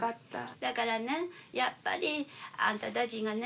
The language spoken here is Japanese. だからねやっぱりあんたたちがね